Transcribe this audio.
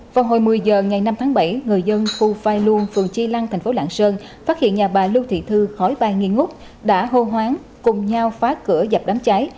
vào hồi một mươi h ngày năm tháng bảy người dân khu phai luông phường chi lăng thành phố lạng sơn phát hiện nhà bà lưu thị thư khói ba nghi ngút đã hô hoáng cùng nhau phá cửa dập đám cháy